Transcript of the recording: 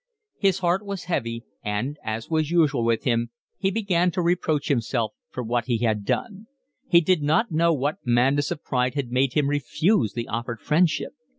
His heart was heavy; and, as was usual with him, he began to reproach himself for what he had done: he did not know what madness of pride had made him refuse the offered friendship.